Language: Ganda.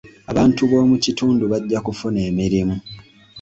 Abantu b'omu kitundu bajja kufuna emirimu.